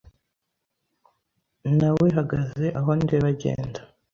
Nawehagaze aho ndeba agenda.